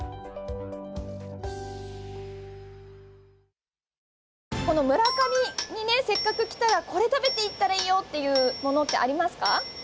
やっぱりいいね村上にねせっかく来たらこれ食べていったらいいよっていうものってありますか？